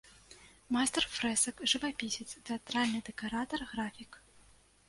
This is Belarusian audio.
Майстар фрэсак, жывапісец, тэатральны дэкаратар, графік.